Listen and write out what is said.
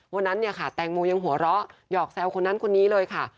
วันนั้นเนี่ยค่ะแตงโมยังหัวเราะหยอกแซวคนนั้นคนนี้เลยค่ะ